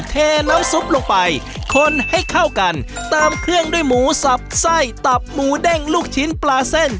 เทน้ำซุปลงไปคนให้เข้ากันตามเครื่องด้วยหมูสับไส้ตับหมูเด้งลูกชิ้นปลาเส้น